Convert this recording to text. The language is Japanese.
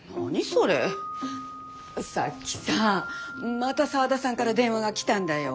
さっきさまた沢田さんから電話が来たんだよ。